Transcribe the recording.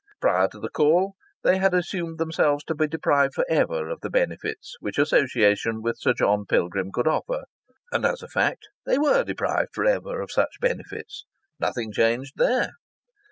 Prior to the call they had assumed themselves to be deprived for ever of the benefits which association with Sir John Pilgrim could offer, and as a fact they were deprived for ever of such benefits. Nothing changed there!